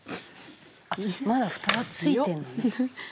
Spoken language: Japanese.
あっまだふたは付いてるのね。